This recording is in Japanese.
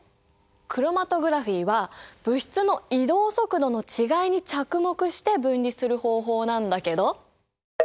クロマトグラフィーは物質の移動速度の違いに着目して分離する方法なんだけど。